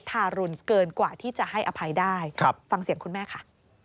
ทารุณเกินกว่าที่จะให้อภัยได้ฟังเสียงคุณแม่ค่ะ